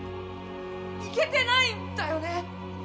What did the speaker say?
行けてないんだよね？